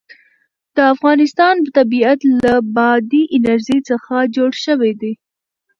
د افغانستان طبیعت له بادي انرژي څخه جوړ شوی دی.